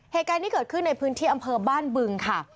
เหตุการณ์ที่เกิดขึ้นในพื้นที่อำเภอบ้านบึงค่ะ